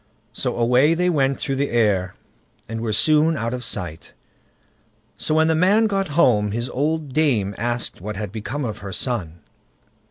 So away they went through the air, and were soon out of sight. So when the man got home, his old dame asked what had become of her son.